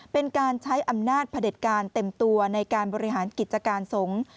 เป็นการใช้อำนาจพระเด็จการเต็มตัวในการบริหารกิจการสงฆ์